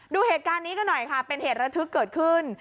ดูเหตุการณ์นี้กันหน่อยค่ะเป็นเหตุระทึกเกิดขึ้น